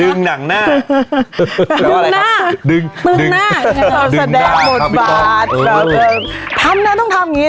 ดึงหนังหน้าดึงหน้าดึงหน้าเราแสดงหมดบาทเออเออทำเนี้ยต้องทำงี้